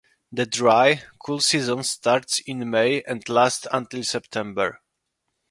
The dry, cool season starts in May and lasts until September.